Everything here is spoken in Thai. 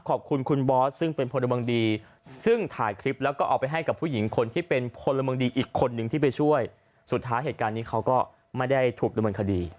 ขอบคุณคุณบอสซึ่งเป็นพลเมืองดีซึ่งถ่ายคลิปแล้วก็เอาไปให้กับผู้หญิงคนที่เป็นพลเมืองดีอีกคนนึงที่ไปช่วยสุดท้ายเหตุการณ์นี้เขาก็ไม่ได้ถูกดำเนินคดี